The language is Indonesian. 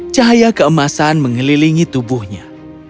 cahaya keemasan mengelilingi tubuhnya